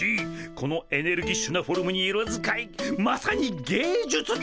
このエネルギッシュなフォルムに色使いまさに芸術だ！